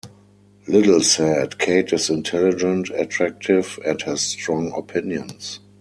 Liddle said: Kate is intelligent, attractive and has strong opinions.